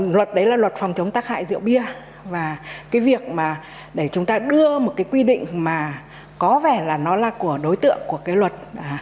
luật đấy là luật phòng chống tác hại rượu bia và cái việc mà để chúng ta đưa một cái quy định mà có vẻ là nó là của đối tượng của cái luật